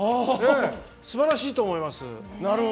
すばらしいと思います。